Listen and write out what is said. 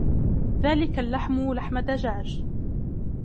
ذلك اللحم لحم دجاج.